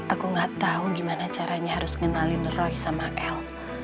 aku gak tau gimana caranya harus kenalin roy sama el